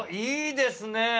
いいですね